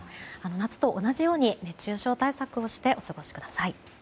夏と同じように熱中症対策をしてお過ごしください。